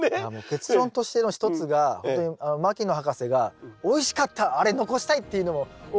結論としての一つが本当に牧野博士が「おいしかった！あれ残したい」っていうのも一つあると思うんですよ。